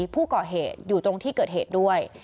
ผู้ก่อเหตุอยู่ตรงที่เกิดเหตุด้วย